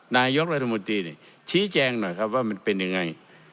นายกรัฐมนตรีชี้แจงหน่อยครับว่ามันเป็นยังไง